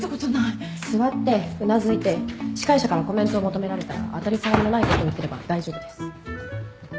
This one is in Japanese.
座ってうなずいて司会者からコメントを求められたら当たり障りのないことを言ってれば大丈夫です。